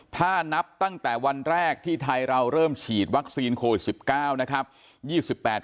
ถ้านับตั้งแต่วันแรกที่ไทยเราเริ่มฉีดวัคซีนโควิด๑๙นะครับ